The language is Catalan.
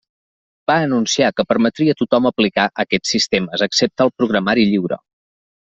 Va anunciar que permetria a tothom aplicar aquests sistemes excepte al programari lliure.